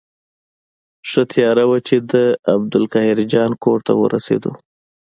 ښه تیاره وه چې د عبدالقاهر جان کور ته ورسېدو.